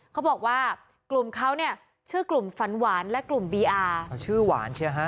เขาบอกว่ากลุ่มเขาเนี่ยชื่อกลุ่มฝันหวานและกลุ่มบีอาร์ชื่อหวานเชียวฮะ